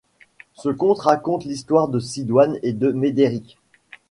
Ce conte raconte l'histoire de Sidoine et de Médéric.